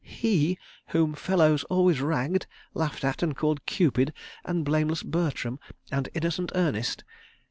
He whom fellows always ragged, laughed at, and called Cupid and Blameless Bertram and Innocent Ernest?